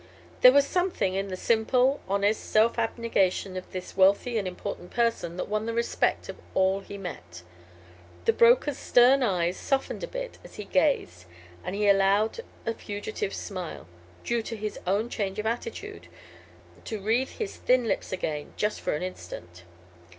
There was something in the simple, honest self abnegation of this wealthy and important person that won the respect of all he met. The broker's stern eyes softened a bit as he gazed and he allowed a fugitive smile, due to his own change of attitude, to wreathe his thin lips again just for an instant.